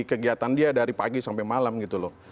kegiatan dia dari pagi sampai malam gitu loh